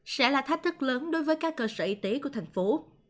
sẽ là thách thức lớn đối với các cơ sở y tế của thành phố